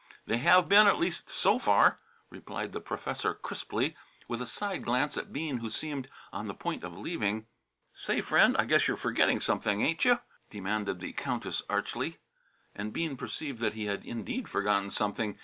"They have been, at least so far," replied the professor crisply, with a side glance at Bean who seemed on the point of leaving. "Say, friend, I guess you're forgetting something, ain't you?" demanded the Countess archly. And Bean perceived that he had indeed forgotten something.